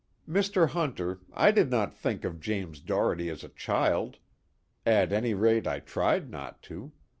"Mr. Hunter, I did not think of James Doherty as a child. At any rate I tried not to.